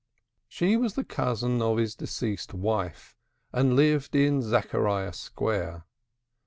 She was the cousin of his deceased wife, and lived in Zachariah Square.